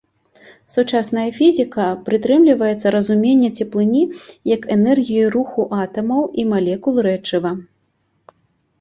Сучасная фізіка прытрымліваецца разумення цеплыні як энергіі руху атамаў і малекул рэчыва.